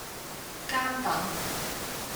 監躉